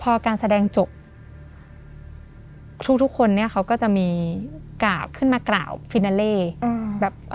พอการแสดงจบทุกทุกคนเนี้ยเขาก็จะมีกล่าวขึ้นมากล่าวแบบเอ่อ